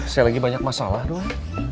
saya lagi banyak masalah dong